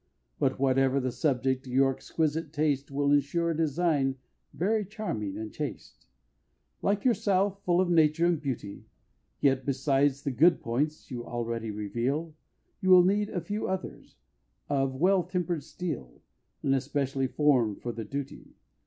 But whatever the subject, your exquisite taste Will ensure a design very charming and chaste, Like yourself, full of nature and beauty Yet besides the good points you already reveal, You will need a few others of well temper'd steel, And especially form'd for the duty.